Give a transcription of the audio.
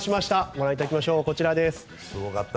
ご覧いただきましょうこちらです。